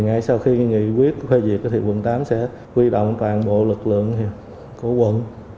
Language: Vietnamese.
ngay sau khi nghị quyết phê diệt thì quận tám sẽ huy động toàn bộ lực lượng của quận